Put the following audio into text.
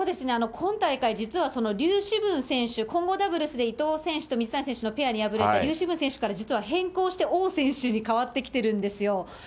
今大会、実は劉詩ブン選手、混合ダブルスで伊藤選手と水谷選手にペアに敗れた劉詩ブン選手から実は変更して、王選手に代わってきてるんですよ。